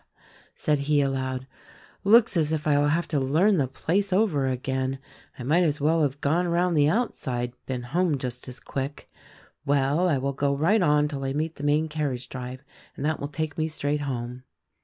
said he aloud. "Looks as if I will have to learn the place over again. I might as well have gone around the outside; been home just as quick. Well, I will go right on till I meet the main carriage drive and that will take me straight home."